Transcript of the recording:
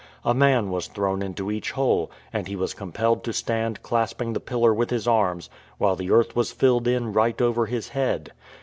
A man was thrown into each hole, and he was compelled to stand clasping the pillar with his arms while the earth was filled in right over his head.